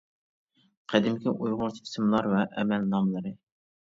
قەدىمكى ئۇيغۇرچە ئىسىملار ۋە ئەمەل ناملىرى.